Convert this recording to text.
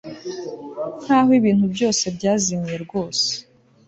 nkaho ibintu byose byazimiye rwose